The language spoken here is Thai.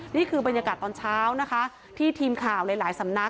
นี่คือบรรยากาศตอนเช้านะคะที่ทีมข่าวหลายสำนัก